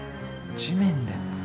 地面で。